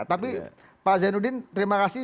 tapi pak zainuddin terima kasih